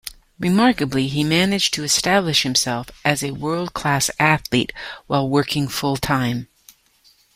Remarkably, he managed to establish himself as a world class athlete while working full-time.